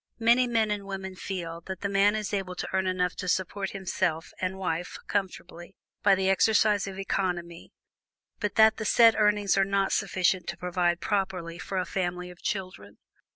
Many men and women feel that the man is able to earn enough to support himself and wife comfortably, by the exercise of economy, but that the said earnings are not sufficient to provide properly for a family of children.